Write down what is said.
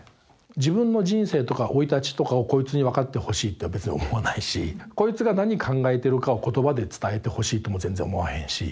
自分の人生とか生い立ちとかをこいつに分かってほしいって別に思わないしこいつが何考えてるかを言葉で伝えてほしいとも全然思わへんし。